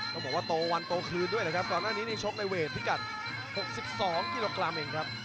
ต้องบอกว่าโตวันโตคืนด้วยนะครับก่อนหน้านี้นี่ชกในเวทพิกัด๖๒กิโลกรัมเองครับ